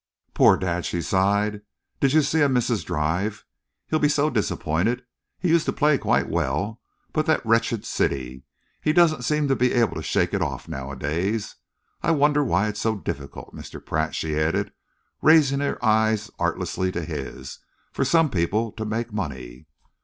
"Poor dad!" she sighed. "Did you see him miss his drive? He'll be so disappointed. He used to play quite well, but that wretched City he doesn't seem to be able to shake it off, nowadays. I wonder why it's so difficult, Mr. Pratt," she added, raising her eyes artlessly to his, "for some people to make money?"